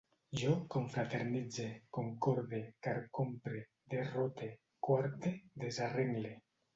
Jo confraternitze, concorde, carcompre, derrote, coarte, desarrengle